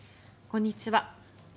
こんにちは。